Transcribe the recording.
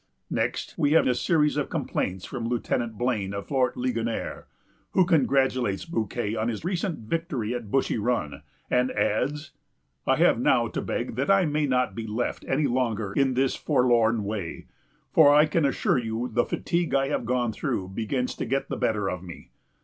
Next, we have a series of complaints from Lieutenant Blane of Fort Ligonier; who congratulates Bouquet on his recent victory at Bushy Run, and adds: "I have now to beg that I may not be left any longer in this forlorn way, for I can assure you the fatigue I have gone through begins to get the better of me.